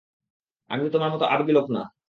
আমি তোমার মতো আবেগী লোক না।